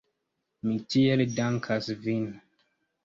Mi tiel dankas vin.